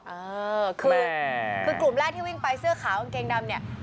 เออคือกลุ่มแรกที่วิ่งไปเสื้อขาวกางเกงดำเนี่ย